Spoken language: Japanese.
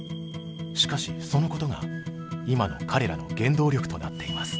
しかしそのことが今の彼らの原動力となっています。